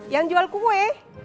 yang jual kue